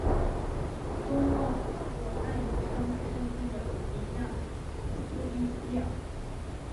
东望跨坐黯影山脉山肩的米那斯伊希尔。